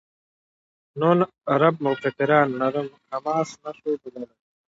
نور عرب مفکران «نرم حماس» نه شو بللای.